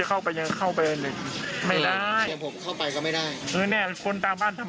เออไปเอาไว้